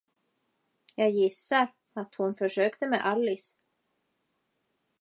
Jag gissar, att hon försökte med Alice.